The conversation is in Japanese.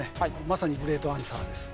まさにグレートアンサーです